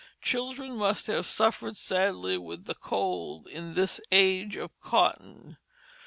Children must have suffered sadly with the cold in this age of cotton.